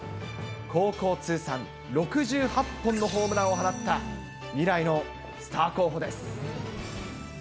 高校通算６８本のホームランを放った、未来のスター候補です。